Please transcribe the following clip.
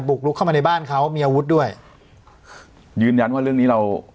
ลุกเข้ามาในบ้านเขามีอาวุธด้วยยืนยันว่าเรื่องนี้เรา